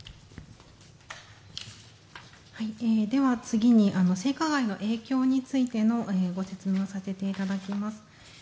次に、性加害の影響についてのご説明をさせていただきます。